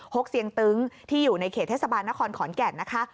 กเสียงตึ้งที่อยู่ในเขตเทศบาลนครขอนแก่นนะคะ